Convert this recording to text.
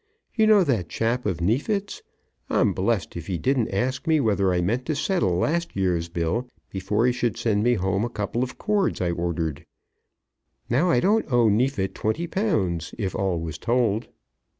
You know that chap of Neefit's? I'm blessed if he didn't ask me whether I meant to settle last year's bill, before he should send me home a couple of cords I ordered! Now I don't owe Neefit twenty pounds if all was told."